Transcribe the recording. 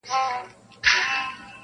له حجرو څخه به ږغ د ټنګ ټکور وي-